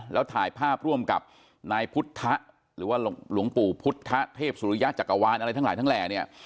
แล้วถ่ายภาพร่วมกับนายพุทธะหรือว่าหลวงปู่พุทธเทพสุริยะจักรวาลอะไรทั้งหลายทั้งแหล่เนี่ย